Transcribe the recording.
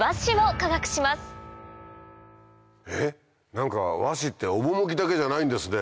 何か和紙って趣だけじゃないんですね。